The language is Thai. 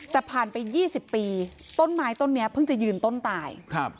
แต่ผ่านไป๒๐ปีต้นไม้ต้นนี้เพิ่งจะยืนต้นตาย